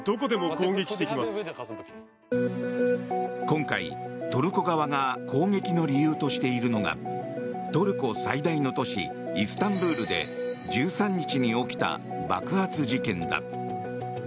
今回、トルコ側が攻撃の理由としているのがトルコ最大の都市イスタンブールで１３日に起きた爆発事件だ。